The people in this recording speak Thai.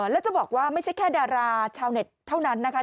แล้วจะบอกว่าไม่ใช่แค่ดาราชาวเน็ตเท่านั้นนะคะ